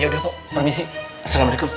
ya udah pok permisi assalamualaikum